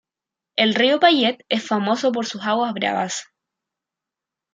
El río Payette es famoso por sus aguas bravas.